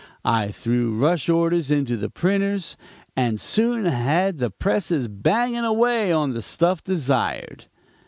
I threw rush orders into the printers and soon had the presses banging away on the stuff desired.